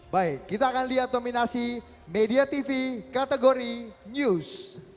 baik kita akan lihat nominasi media tv kategori news